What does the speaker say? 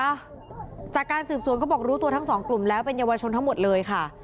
จากการสืบสวนเขาบอกรู้ตัวทั้งสองกลุ่มแล้วเป็นเยาวชนทั้งหมดเลยค่ะ